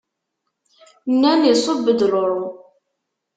Nnan iṣubb-d luṛu.